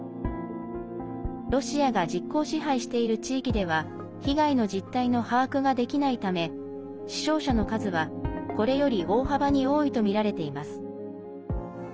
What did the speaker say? ロシアが実効支配している地域では被害の実態の把握ができないため死傷者の数はこれより大幅に多いとみられています。